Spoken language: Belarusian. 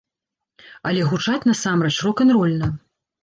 Але гучаць насамрэч рок-н-рольна!